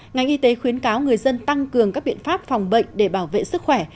ngành y tế khuyến cáo người dân tăng cường các biện pháp phòng bệnh để bảo vệ sức khỏe